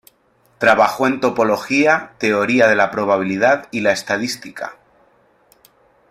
Trabajó en topología, teoría de la probabilidad y la estadística.